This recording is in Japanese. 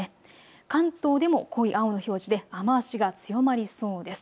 関東でも濃い青の表示で雨足が強まりそうです。